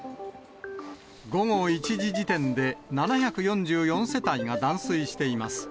午後１時時点で７４４世帯が断水しています。